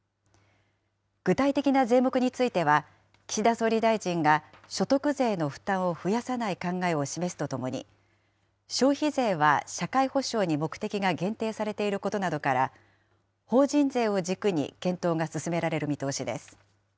具体的な税目については、岸田総理大臣が所得税の負担を増やさない考えを示すとともに、消費税は社会保障に目的が限定されていることなどから、法人税を軸に検討が進められる見通しです。